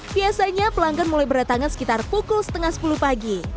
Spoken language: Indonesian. biasanya pelanggan mulai berdatangan sekitar pukul setengah sepuluh pagi